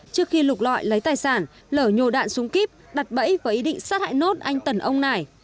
trước khi lục loại lấy tài sản lở nhồ đạn xuống kíp đặt bẫy với ý định sát hại nốt anh tần ông này